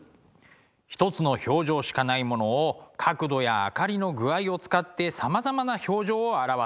ひとつの表情しかないものを角度や明かりの具合を使ってさまざまな表情を表す。